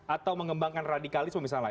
atau mengembangkan radikalisme misalnya